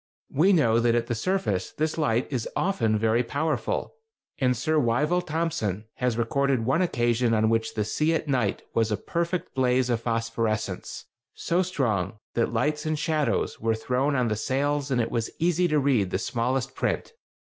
We know that at the surface this light is often very powerful, and Sir Wyville Thomson has recorded one occasion on which the sea at night was "a perfect blaze of phosphorescence, so strong that lights and shadows were thrown on the sails and it was easy to read the smallest print."